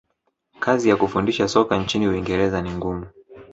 kazi ya kufundisha soka nchini uingereza ni ngumu